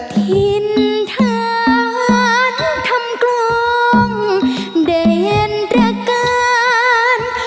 ถิ่นฐานทำกลองเดินตระการ